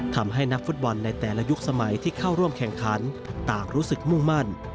นักฟุตบอลในแต่ละยุคสมัยที่เข้าร่วมแข่งขันต่างรู้สึกมุ่งมั่น